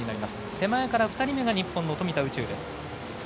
手前から２人目が日本の富田宇宙。